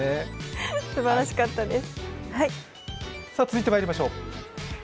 すばらしかったです。